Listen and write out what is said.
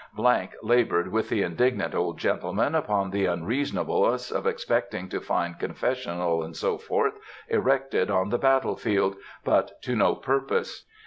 —— labored with the indignant old gentleman upon the unreasonableness of expecting to find confessionals, &c. erected on the battle field, but to no purpose.